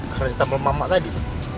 karena ditabuk sama mama tadi